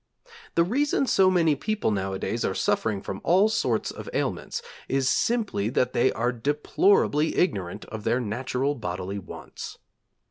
The reason so many people nowadays are suffering from all sorts of ailments is simply that they are deplorably ignorant of their natural bodily wants.